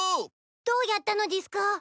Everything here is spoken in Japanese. どうやったのでぃすか！？